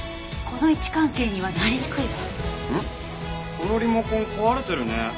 このリモコン壊れてるね。